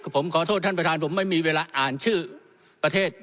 ผมขอโทษท่านประธานผมไม่มีเวลาอ่านชื่อประเทศ